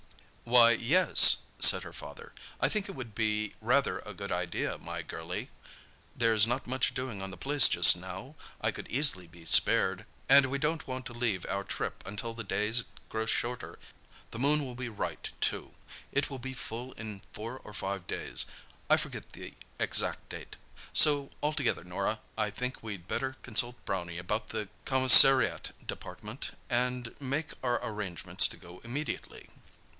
"Why, yes," said her father. "I think it would be rather a good idea, my girlie. There's not much doing on the place just now. I could easily be spared. And we don't want to leave our trip until the days grow shorter. The moon will be right, too. It will be full in four or five days—I forget the exact date. So, altogether, Norah, I think we'd better consult Brownie about the commissariat department, and make our arrangements to go immediately."